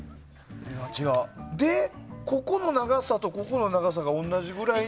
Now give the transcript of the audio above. で、ここの長さとここの長さが同じぐらいに。